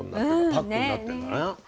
パックになってんだな。